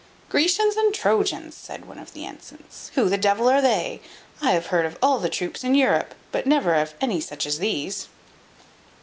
"Grecians and Trojans!" says one of the ensigns, "who the devil are they? I have heard of all the troops in Europe, but never of any such as these."